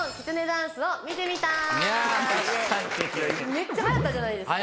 めっちゃはやったじゃないですか。